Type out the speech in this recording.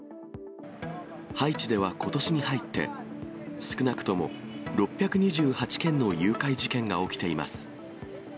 ハイチではことしに入って、少なくとも６２８件の誘拐事件が起きています。